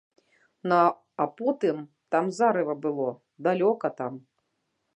Ну а потым там зарыва было, далёка там.